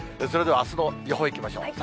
それではあすの予報いきましょう。